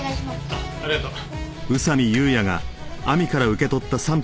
あっありがとう。